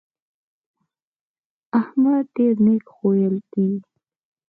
احمد ډېر نېک خویه دی.